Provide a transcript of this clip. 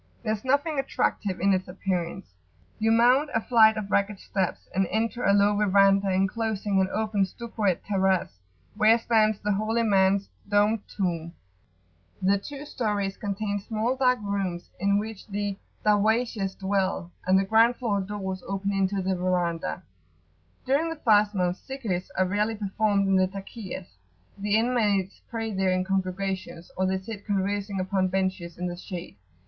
There is nothing attractive in its appearance. You mount a flight of ragged steps, and enter a low verandah enclosing an open stuccoed terrace, where stands the holy man's domed tomb: the two stories contain small dark rooms in which the Darwayshes dwell, and the ground floor doors open into the [p.86]verandah. During the fast month, Zikrs[FN#24] are rarely performed in the Takiyahs: the inmates pray there in congregations, or they sit conversing upon benches in the shade.